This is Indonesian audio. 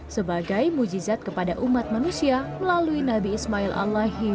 sebagai mujizat kepada umat manusia melalui nabi ismail allah